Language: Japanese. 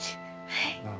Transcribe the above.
はい。